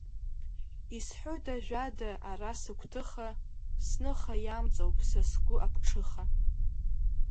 Исҳәоит ажәада ара сыгәҭыха, Сныха иамҵоуп са сгәы аԥҽыха.